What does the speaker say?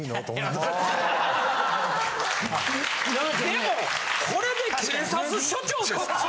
でもこれで警察署長ですか。